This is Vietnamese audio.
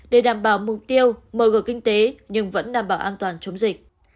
để đảm bảo mục tiêu mở cửa kinh tế nhưng vẫn đảm bảo an toàn chống dịch